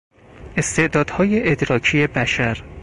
استعدادهای ادراکی بشر